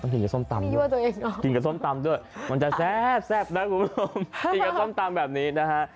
กินกับส้มตำกินกับส้มตำด้วยมันจะแซ่บนะคุณผู้ชมกินกับส้มตำแบบนี้นะฮะ